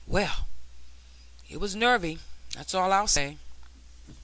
Well, it was nervy, that's all I'll say."